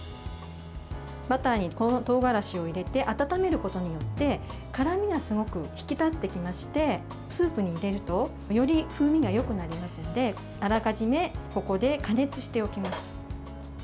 バターにとうがらしを入れて温めることによって辛みがすごく引き立ってきましてスープに入れるとより風味がよくなりますのであらかじめここで加熱しておきます。